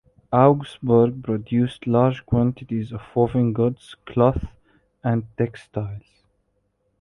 Augsburg produced large quantities of woven goods, cloth and textiles.